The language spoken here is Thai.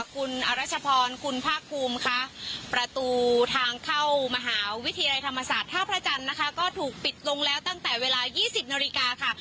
คุณอรัชพรคุณภาคภูมิค่ะประตูทางเข้ามหาวิทยาลัยธรรมศาสตร์ท่าพระจันทร์นะคะก็ถูกปิดลงแล้วตั้งแต่เวลา๒๐นาฬิกาค่ะ